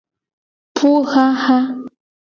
Puxaxa.